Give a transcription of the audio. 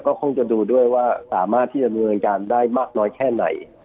ก็คงจะดูด้วยว่าสามารถที่จะดำเนินการได้มากน้อยแค่ไหน